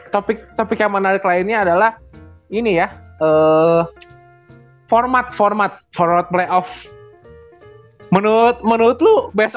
topik topik yang menarik lainnya adalah ini ya format format forward playoff menurut menurut lu best